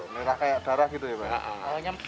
merah kayak darah gitu ya pak